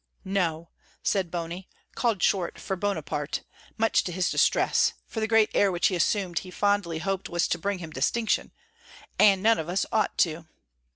"No," said Bony, called short for Bonaparte, much to his distress, for the great air which he assumed he fondly hoped was to bring him distinction, "and none of us ought to."